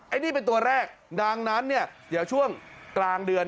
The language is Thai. อันนี้เป็นตัวแรกดังนั้นเนี่ยเดี๋ยวช่วงกลางเดือน